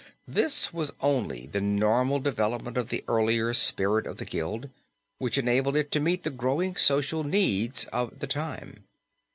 This was only the normal development of the earlier spirit of the Guild which enabled it to meet the growing social needs of the time.